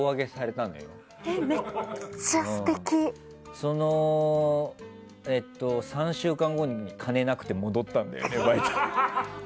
その３週間後に金がなくて戻ったんだよね。